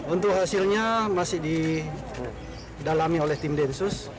untuk hasilnya masih didalami oleh tim densus